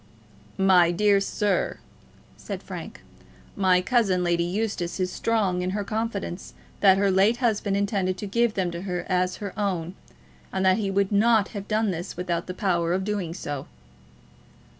"My dear sir," said Frank, "my cousin, Lady Eustace, is strong in her confidence that her late husband intended to give them to her as her own, and that he would not have done this without the power of doing so."